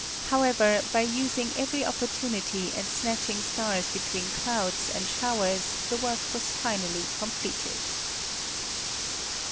However by using every opportunity and snatch ing stars between clouds and showers the work was finally completed.